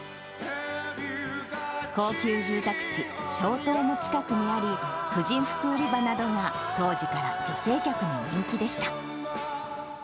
高級住宅地、しょうとうの近くにあり、婦人服売り場などが当時から女性客に人気でした。